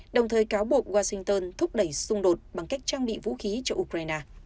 đồng thời cáo buộc washington thúc đẩy xung đột bằng cách trang bị vũ khí cho ukraine